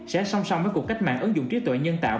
sẽ song song với cuộc cách mạng ứng dụng trí tuệ nhân tạo